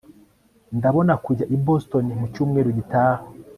ndabona kujya i boston mu cyumweru gitaha